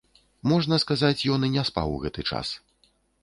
Можна сказаць, ён і не спаў гэты час.